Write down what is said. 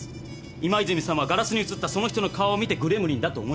今泉さんはガラスに映ったその人の顔を見て「グレムリン」だと思い込んだ。